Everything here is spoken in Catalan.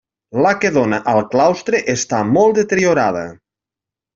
La que dóna al claustre està molt deteriorada.